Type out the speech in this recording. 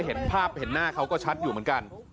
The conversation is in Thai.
เห็นภาพเห็นหน้าเขาก็ชัดอยู่เหมือนกัน